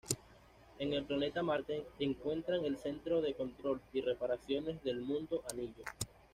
En el planeta Marte encuentran el centro de control y reparaciones del Mundo Anillo.